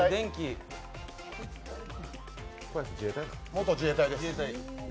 元自衛隊です。